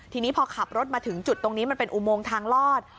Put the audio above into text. ทีนี้พอขับรถมาถึงจุดตรงนี้มันเป็นอุโมงทางลอด